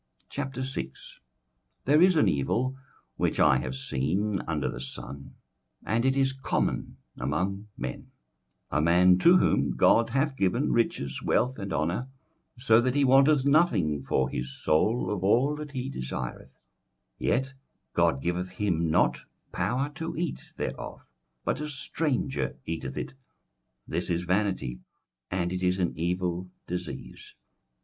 21:006:001 There is an evil which I have seen under the sun, and it is common among men: 21:006:002 A man to whom God hath given riches, wealth, and honour, so that he wanteth nothing for his soul of all that he desireth, yet God giveth him not power to eat thereof, but a stranger eateth it: this is vanity, and it is an evil disease.